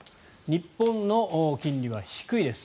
日本の金利は低いです。